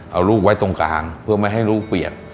เอาลูกไว้ตรงกลางเพื่อไม่ให้ลูกเปียก